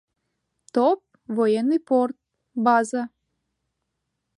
Топ — военный порт, база.